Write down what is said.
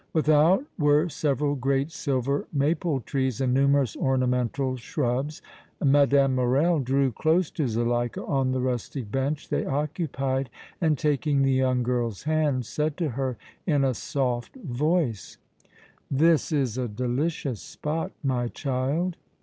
Without were several great silver maple trees and numerous ornamental shrubs. Mme. Morrel drew close to Zuleika on the rustic bench they occupied and, taking the young girl's hand, said to her, in a soft voice: "This is a delicious spot, my child."